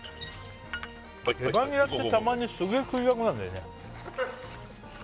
レバニラってたまにすげえ食いたくなるんだよね